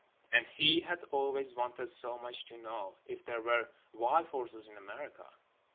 And he had always wanted so much to know—if there were wild horses in America?